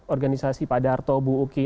organisasi pak darto bu uki